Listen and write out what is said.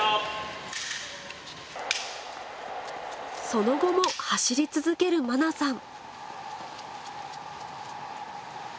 その後も走り続ける愛菜さん